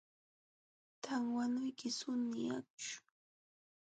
Tanwanuymi suni akshu